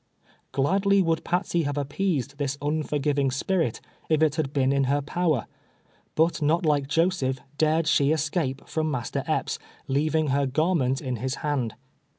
Gladly would Patsey have appeased this unforgiving spirit, if it had been in her power, but not like Joseph, dared sho escape from Master Epps, leaving her garment in his hand.